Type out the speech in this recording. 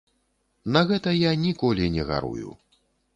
На гэта я ніколі не гарую.